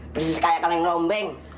persis kayak kaleng rombeng